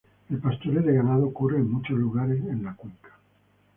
El pastoreo de ganado ocurre en muchos lugares en la cuenca.